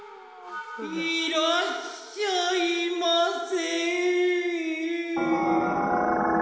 ・いらっしゃいませ！